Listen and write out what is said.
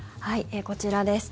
こちらです。